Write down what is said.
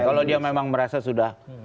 kalau dia merasa sudah